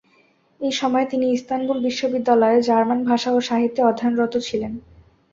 একই সময়ে তিনি ইস্তাম্বুল বিশ্ববিদ্যালয়ে জার্মান ভাষা ও সাহিত্যে অধ্যয়নরত ছিলেন।